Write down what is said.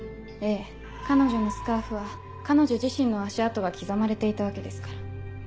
ええ彼女のスカーフは彼女自身の足跡が刻まれていたわけですから。